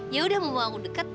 yaudah mau aku dekat